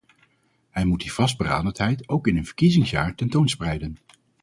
Hij moet die vastberadenheid ook in een verkiezingsjaar ten toon spreiden.